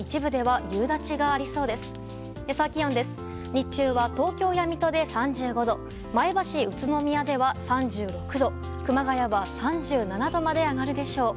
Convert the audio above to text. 日中は、東京や水戸で３５度前橋、宇都宮では３６度熊谷は３７度まで上がるでしょう。